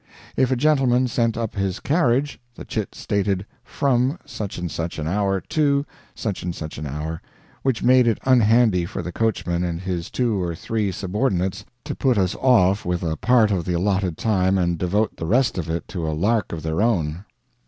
If a gentleman sent up his carriage, the chit stated "from" such and such an hour "to" such and such an hour which made it unhandy for the coachman and his two or three subordinates to put us off with a part of the allotted time and devote the rest of it to a lark of their own.